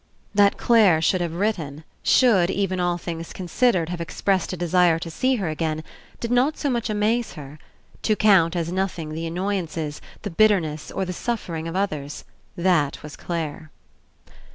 That Clare should have written, should, even all things considered, have expressed a desire to see her again, did not so much amaze her. To count as nothing the annoyances, the bitterness, or the suffering of others, that was Clare.